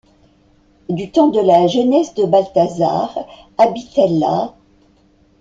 Du temps de la jeunesse de Balthazar, habitaient là.